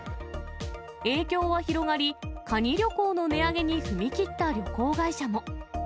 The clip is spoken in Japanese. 影響は広がり、カニ旅行の値上げに踏み切った旅行会社も。